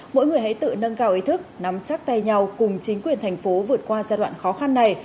mỗi người hãy tự nâng cao ý thức nắm chắc tay nhau cùng chính quyền thành phố vượt qua giai đoạn khó khăn này